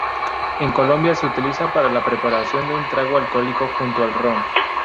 En Colombia se utiliza para la preparación de un trago alcohólico junto al ron.